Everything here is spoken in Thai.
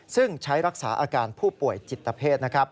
ซึ่งใช้รักษาอาการผู้ป่วยจิตเพศ